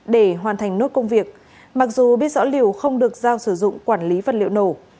để hoàn thành nốt công việc mặc dù biết rõ liều không được giao sử dụng quản lý vật liệu nổ